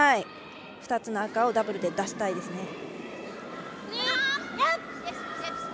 ２つの赤をダブルで出したいです。